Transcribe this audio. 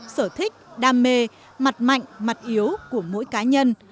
sở thích đam mê mặt mạnh mặt yếu của mỗi cá nhân